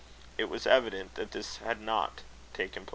It was evident that this had not taken place.